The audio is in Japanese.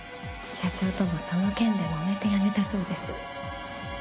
社長ともその件でもめて辞めたそうです。